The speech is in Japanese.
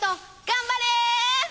頑張れ！